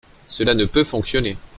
Cela ne peut fonctionner.